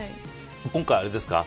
今回あれですか。